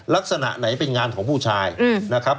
ลักษณะไหนเป็นงานของผู้ชายนะครับ